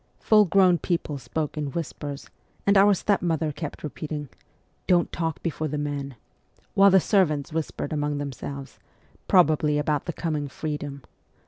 Full grown people spoke in whispers, and our stepmother kept repeating, ' Don't talk before the men ;' while the servants whispered among themselves, probably about the coming ' freedom.'